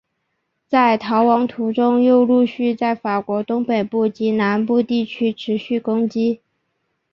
在逃亡途中又陆续在法国东北部及南部地区持续攻击。